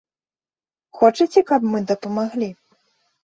Хочаце каб мы дапамаглі?